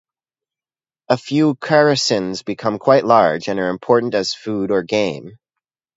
A few characins become quite large, and are important as food or game.